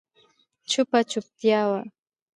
چوپه چوپتیا وه.